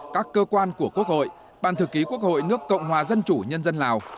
các cơ quan của quốc hội ban thư ký quốc hội nước cộng hòa dân chủ nhân dân lào